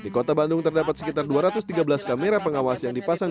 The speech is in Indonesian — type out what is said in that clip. di kota bandung terdapat sekitar dua ratus tiga belas kamera pengawas yang dipasang